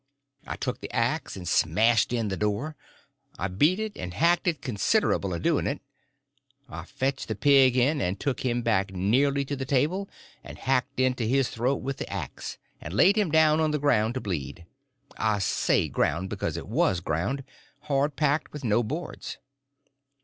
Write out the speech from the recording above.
I took the axe and smashed in the door. I beat it and hacked it considerable a doing it. I fetched the pig in, and took him back nearly to the table and hacked into his throat with the axe, and laid him down on the ground to bleed; I say ground because it was ground—hard packed, and no boards.